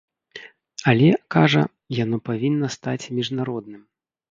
Але, кажа, яно павінна стаць міжнародным.